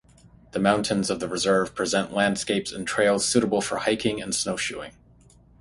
The mountains of the reserve present landscapes and trails suitable for hiking snowshoeing.